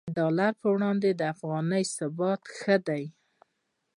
د ډالر پر وړاندې د افغانۍ ثبات ښه دی